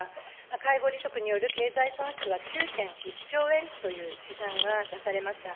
介護離職による経済損失は９．１兆円という試算が出されました。